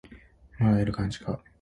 まだいる感じか